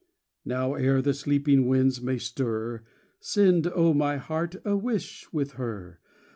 16 Now, ere the sleeping winds may stir, Send, O, my heart, a wish with her.